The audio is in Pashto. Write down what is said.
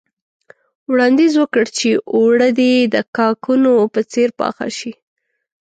وړانديز وکړ چې اوړه دې د کاکونو په څېر پاخه شي.